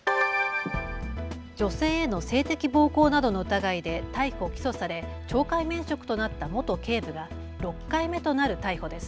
女性への性的暴行などの疑いで逮捕・起訴され懲戒免職となった元警部が６回目となる逮捕です。